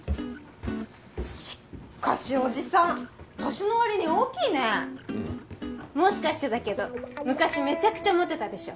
しっかしおじさん年のわりに大きいねもしかしてだけど昔メチャクチャモテたでしょ？